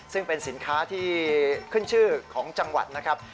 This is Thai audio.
ซึ่งเป็นสินค้าที่ขึ้นชื่อของจังหวัดนะครับ